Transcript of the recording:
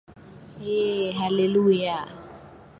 Eeeh hallelujah